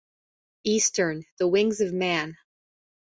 Eastern: the wings of man.